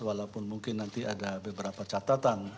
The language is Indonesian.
walaupun mungkin nanti ada beberapa catatan